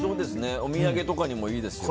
お土産とかにも、いいですよね。